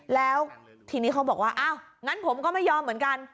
แล้วทีนี้เขาบอกว่าอ้าวงั้นผมก็ไม่ยอมเหมือนกัน